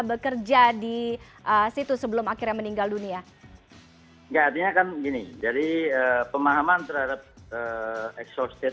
bekerja di situ sebelum akhirnya meninggal dunia jadi akan gini jadi pemahaman terhadap ekstra